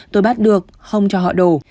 tôi bắt được không cho họ đổ